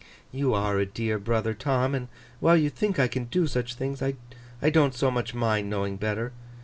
'You are a dear brother, Tom; and while you think I can do such things, I don't so much mind knowing better.